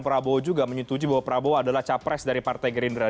prabowo juga menyetujui bahwa prabowo adalah capres dari partai gerindra